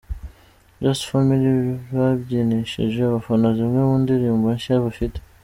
Just Family babyinishije abafana zimwe mu ndirimbo nshya bafite.